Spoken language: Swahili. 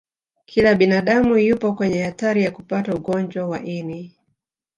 kila binadamu yupo kwenye hatari ya kupata ugonjwa wa ini